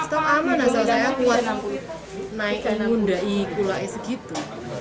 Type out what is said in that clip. stok aman asal saya kuat naik mengundai kulai segitu